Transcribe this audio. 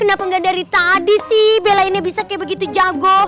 kenapa gak dari tadi sih belainnya bisa kayak begitu jago